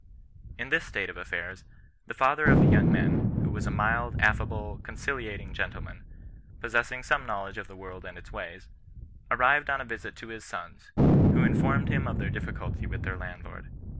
In this state of affairs, the father of the young men, who was a mild, affable, conciliating gentleman, possess ing some knowlege of the world and its ways, arrived on a visit to his sons, who informed him of their difficulty with their landlord.